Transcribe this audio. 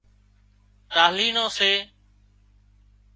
ٽالهي نان سي